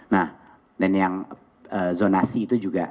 nah dan yang zonasi itu juga